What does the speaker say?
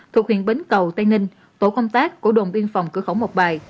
thuộc huyện bến cầu tây ninh tổ công tác của đồn biên phòng cửa khẩu mộc bài